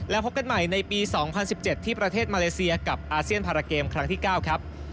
แล้วพบกันใหม่ในปี๒๐๑๗ที่ประเทศมาเลเซียกับอาเซียนพาราเกมครั้งที่๙ครับ